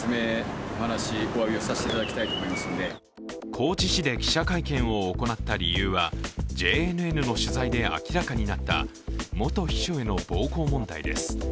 高知市で記者会見を行った理由はＪＮＮの取材で明らかになった元秘書への暴行問題です。